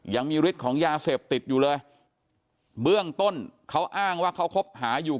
ยังมีฤทธิ์ของยาเสพติดอยู่เลยเบื้องต้นเขาอ้างว่าเขาคบหาอยู่